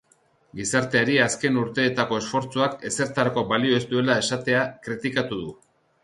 Gizarteari azken urteetako esfortzuak ezertarako balio ez duela esatea kritikatu du.